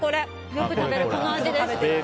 よく食べる、この味です。